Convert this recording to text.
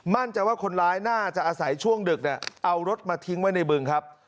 มั่นใจว่าคนร้ายน่าจะอาศัยช่วงดึกเอารถมาทิ้งไว้ในบึงครับ